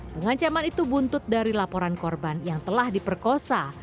pengancaman itu buntut dari laporan korban yang telah diperkosa